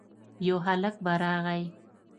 يو هلک په راغی.